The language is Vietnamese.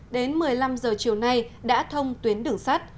đến một mươi năm h chiều nay đã thông tuyến đường sắt